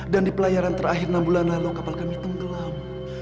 dan di pelayaran terakhir enam bulan lalu kapal kami tenggelam